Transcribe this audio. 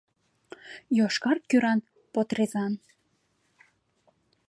Йошкар кӱран потрезан.